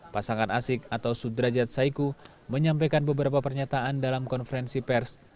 pasangan asyik atau sudrajat saiku menyampaikan beberapa pernyataan dalam konferensi pers